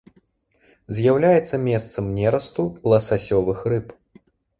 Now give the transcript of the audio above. З'яўляецца месцам нерасту ласасёвых рыб.